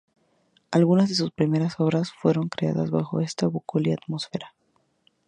Algunas de sus primeras obras fueron creadas bajo esta bucólica atmósfera.